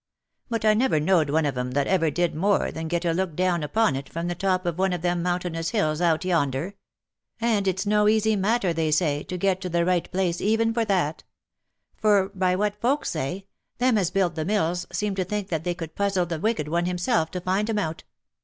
But I never knowed one of 'em that ever did more than get a look down upon it from the top of one of them mountainous hills out yonder ; and it's no easy matter, they say, to get to the right place even for that ; for, by what folks say, them as built the mills seem to think that they could puzzle the OF MICHAEL ARMSTRONG. 247 wicked one himself to find 'em out.